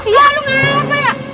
iya lu gak apa ya